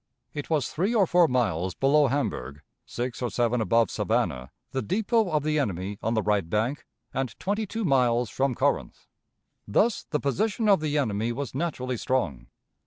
It was three or four miles below Hamburg, six or seven above Savannah, the depot of the enemy on the right bank, and twenty two miles from Corinth. Thus the position of the enemy was naturally strong.